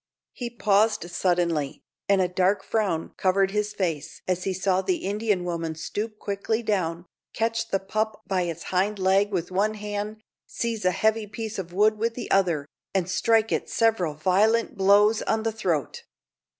He paused suddenly, and a dark frown covered his face as he saw the Indian woman stoop quickly down, catch the pup by its hind leg with one hand, seize a heavy piece of wood with the other, and strike it several violent blows on the throat.